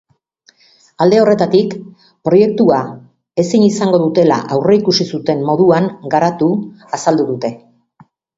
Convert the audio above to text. Alde horretatik, proiektua ezin izango dela aurreikusi zuten moduan garatu azaldu dute.